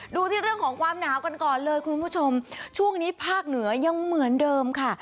ดูที่เรื่องของความหนาวกันก่อนเลยคุณผู้ชมช่วงนี้ภาคเหนือยังเหมือนเดิมค่ะ